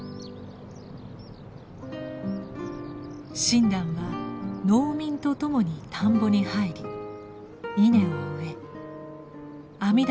親鸞は農民と共に田んぼに入り稲を植え阿弥陀